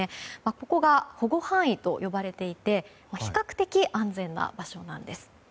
ここが保護範囲と呼ばれていて比較的安全な場所なんです。